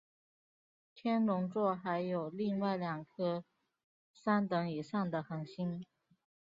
天龙座还有另外两颗三等以上的恒星。